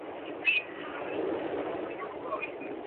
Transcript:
هغه د دې عواملو په ټاکلو کې بې وسه و.